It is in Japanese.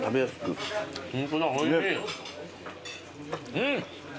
うん！